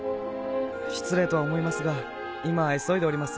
失礼とは思いますが今は急いでおります